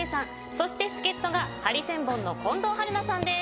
そして助っ人がハリセンボンの近藤春菜さんです。